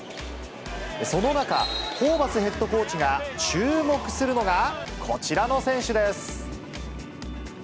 その中、ホーバスヘッドコーチが注目するのがこちらの選手です。